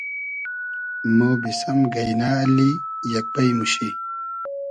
مۉ بیسئم گݷنۂ اللی یئگ بݷ موشی